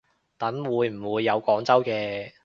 等會唔會有廣州嘅